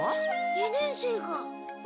二年生が。